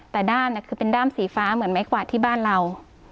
แต่ด้านคือเป็นด้ามสีฟ้าเหมือนไม้กวาดที่บ้านเรา